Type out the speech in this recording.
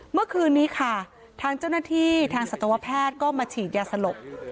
เมื่อคืนนี้ค่ะทางเจ้าหน้าที่ทางสัตวแพทย์ก็มาฉีดยาสลบ